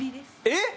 えっ！